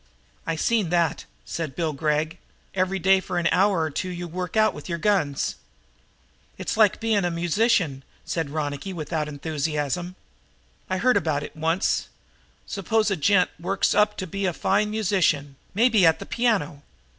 "I seen that," said Bill Gregg. "Every day, for an hour or two, you work with your guns." "It's like being a musician," said Ronicky without enthusiasm. "I heard about it once. Suppose a gent works up to be a fine musician, maybe at the piano.